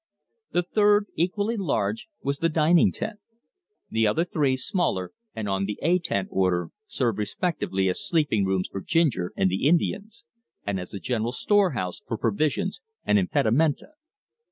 The third, equally large, was the dining tent. The other three, smaller, and on the A tent order, served respectively as sleeping rooms for Ginger and the Indians, and as a general store house for provisions and impedimenta.